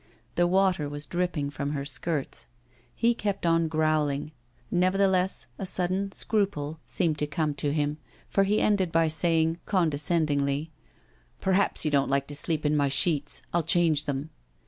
The water was dripping from her skirts. He kept on growling. Nevertheless, a sudden scruple seemed to come to him, for he ended by saying, condescendingly: 'Perhaps you don't like to sleep in my sheets. I'll change them.